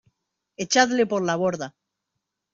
¡ Echadle por la borda!